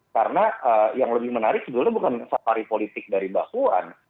karena yang lebih menarik sebenarnya bukan safari politik dari mbak puan